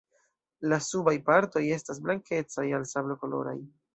La subaj partoj estas blankecaj al sablokoloraj.